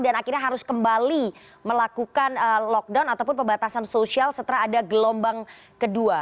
dan akhirnya harus kembali melakukan lockdown ataupun pebatasan sosial setelah ada gelombang kedua